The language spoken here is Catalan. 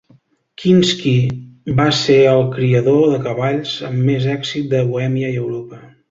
Kinsky va ser el criador de cavalls amb més èxit de Bohèmia i Europa.